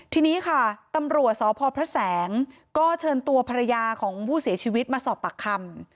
ทีนี้ค่ะตำรวจสพพระแสงก็เชิญตัวภรรยาของผู้เสียชีวิตมาสอบปากคำ